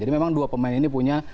jadi memang dua pemain ini punya